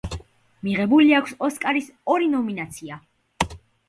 მიღებული აქვს ოსკარის ორი ნომინაცია.